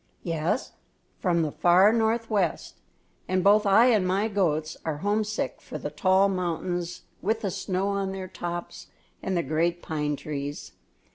"Yes, from the far northwest; and both I and my goats are homesick for the tall mountains with the snow on their tops and the great pine trees.